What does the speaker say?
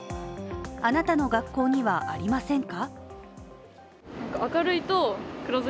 あなたの学校にはありませんか？